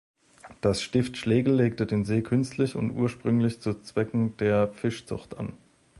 Das Stift Schlägl legte den See künstlich und ursprünglich zu Zwecken der Fischzucht an.